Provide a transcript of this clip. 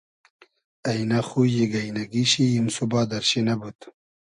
اݷنۂ خویی گݷنئگی شی ایم سوبا دئرشی نئبود